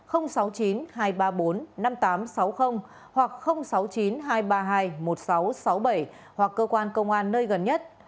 sáu mươi chín hai trăm ba mươi bốn năm nghìn tám trăm sáu mươi hoặc sáu mươi chín hai trăm ba mươi hai một nghìn sáu trăm sáu mươi bảy hoặc cơ quan công an nơi gần nhất